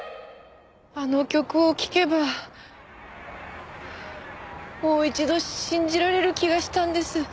あの曲を聞けばもう一度信じられる気がしたんです。